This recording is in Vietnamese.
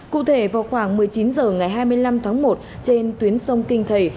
cụ thể vào khoảng một mươi chín h ngày hai mươi năm tháng một trên tuyến sông kinh thầy